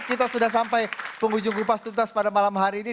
kita sudah sampai penghujung kupas tuntas pada malam hari ini